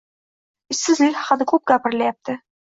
Ishsizlik haqida ko‘p gapirilayapti.